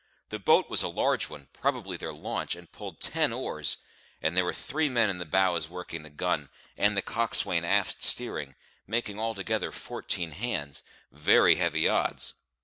The boat was a large one, probably their launch, and pulled ten oars; and there were three men in the bows working the gun, and the coxswain aft steering, making altogether fourteen hands very heavy odds.